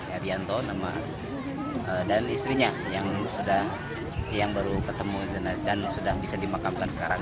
arianto nama dan istrinya yang baru ketemu jenazah dan sudah bisa dimakamkan sekarang